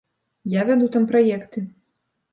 Я вяду там праекты.